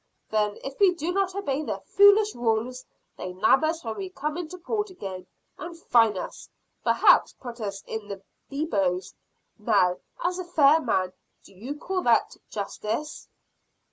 Then, if we do not obey their foolish rules, they nab us when we come into port again, and fine us perhaps put us in the bilboes. Now, as a fair man, do you call that justice?"